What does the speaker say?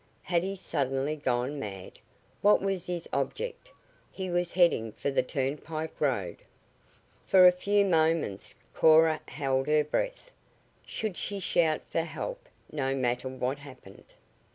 Had he suddenly gone mad? What was his object? He was heading for the turnpike road! For a few moments Cora held her breath. Should she shout for help, no matter what happened?